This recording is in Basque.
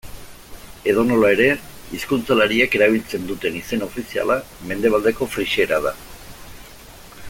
Edonola ere, hizkuntzalariek erabiltzen duten izen ofiziala mendebaldeko frisiera da.